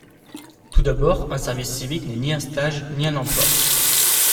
Tout d’abord, un service civique n’est ni un stage ni un emploi.